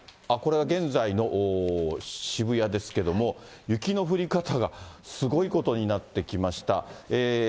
あっ、これは現在の渋谷ですけども、雪の降り方がすごいことになってきました。